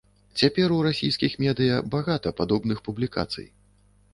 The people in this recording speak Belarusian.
Цяпер у расійскіх медыя багата падобных публікацый.